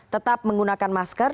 tetap menggunakan masker